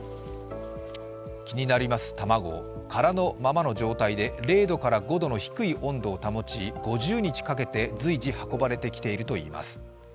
気になります卵、殻のままの状態で０度から５度の低い温度を保ち５０日かけて随時運ばれてきているといいます。